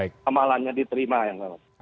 kemalanya diterima ya mas susirwan